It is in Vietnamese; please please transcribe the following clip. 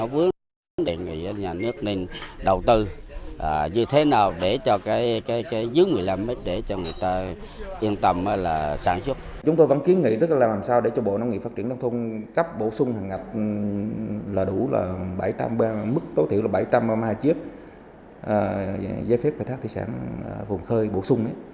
vùng khơi là đủ mức tối thiểu là bảy trăm ba mươi hai chiếc giấy phép khai thác thủy sản vùng khơi bổ sung